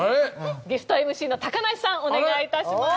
ゲストＭＣの高梨さんお願い致します。